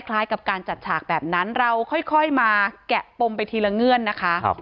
คล้ายกับการจัดฉากแบบนั้นเราค่อยมาแกะปมไปทีละเงื่อนนะคะ